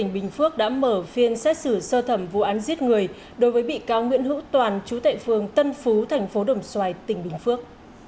bị cáo nguyễn hữu toàn chú tệ phương tân phú thành phố đồng xoài tỉnh bình phước